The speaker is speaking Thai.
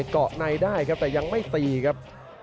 เกาะในได้ครับแต่ยังไม่ตีครับ